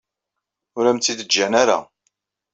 Ur am-tt-id-ǧǧan ara.